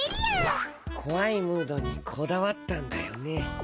こわいムードにこだわったんだよね。